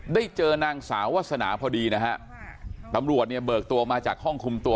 ได้เจอนางสาววาสนาพอดีนะฮะตำรวจเนี่ยเบิกตัวมาจากห้องคุมตัว